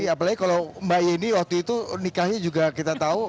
apalagi kalau mbak yeni waktu itu nikahnya juga kita tahu